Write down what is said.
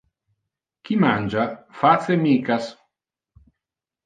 Qui mangia face micas.